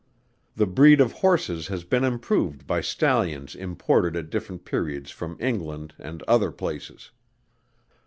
The breed of horses has been improved by stallions imported at different periods from England and other places.